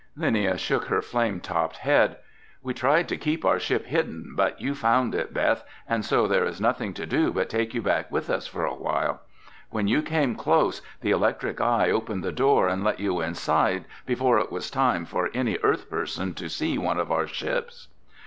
Linnia shook her flame topped head. "We tried to keep our ship hidden, but you found it, Beth, and so there is nothing to do but take you back with us for awhile. When you came close, the electric eye opened the door and let you inside before it was time for any earth person to see one of our ships."